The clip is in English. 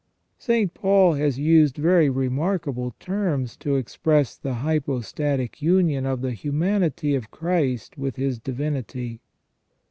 St. Paul has used very remarkable terms to express the hypo static union of the humanity of Christ with His divinity.